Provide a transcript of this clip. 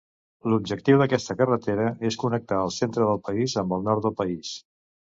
L'objectiu d'aquesta carretera és connectar el centre del país amb el nord del país.